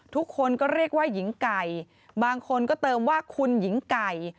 ทุกคนก็เรียกว่าหญิงไก่บางคนก็เติมว่าคุณหญิงไก่